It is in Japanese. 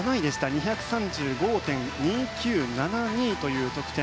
２３５．２９７２という得点。